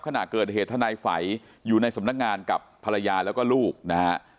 ขณะเกิดเหตุทนายฝัยอยู่ในสำนักงานกับภรรยาแล้วก็ลูกนะฮะ